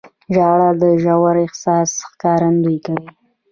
• ژړا د ژور احساس ښکارندویي کوي.